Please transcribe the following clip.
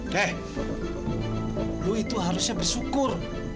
deh lu itu harusnya bersyukur